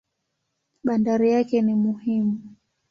Bandari yake ni muhimu.